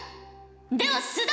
では須田。